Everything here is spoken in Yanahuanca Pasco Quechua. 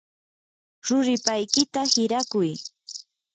ruripaykita hirakuy.